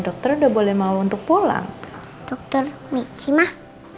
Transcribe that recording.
dokter udah boleh mau untuk pulang dokter michi mah